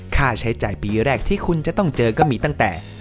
ค่าใช้จ่ายปีแรกที่คุณจะต้องเจอก็มีตั้งแต่